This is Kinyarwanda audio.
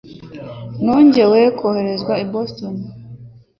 Nongeye koherezwa i Boston